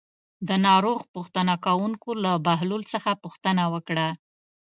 د ناروغ پوښتنه کوونکو له بهلول څخه پوښتنه وکړه.